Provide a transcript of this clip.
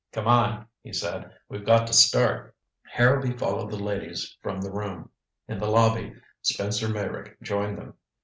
"Come on," he said. "We've got to start." Harrowby followed the ladies from the room. In the lobby Spencer Meyrick joined them.